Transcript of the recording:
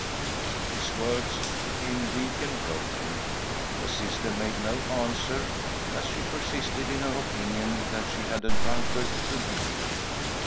His words came weak and broken. The Sister . f., I M THE DRIVER'S PRAYER 185 made no answer, as she persisted in her opinion that she had a drunkard to deal with.